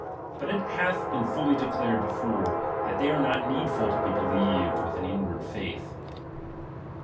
But it hath been fully declared before, that they are not needful to be believed with an inward faith.